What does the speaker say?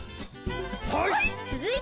はい！